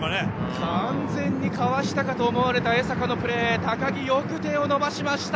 完全にかわしたかと思われた江坂のプレーですが高木、よく手を伸ばした！